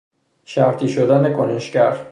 شرطی شدن کنشگر